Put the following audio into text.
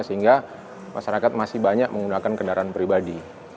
sehingga masyarakat masih banyak menggunakan kendaraan pribadi